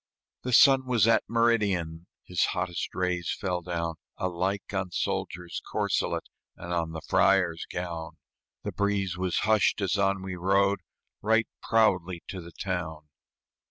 The sun was at meridian, His hottest rays fell down Alike on soldier's corselet And on the friar's gown; The breeze was hushed as on we rode Right proudly to the town.